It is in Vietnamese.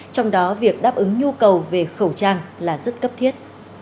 trong đó việc đáp ứng nhu cầu về khẩu trang là rất cấp thiết